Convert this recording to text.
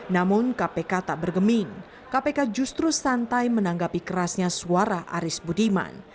namun kpk tak bergeming kpk justru santai menanggapi kerasnya suara aris budiman